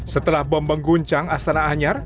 setelah bom mengguncang astana anyar